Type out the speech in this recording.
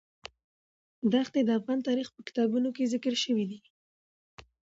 دښتې د افغان تاریخ په کتابونو کې ذکر شوی دي.